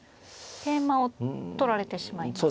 桂馬を取られてしまいますか。